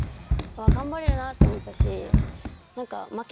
頑張れるなって思ったし何か。